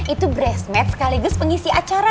itu breast mate sekaligus pengisi acara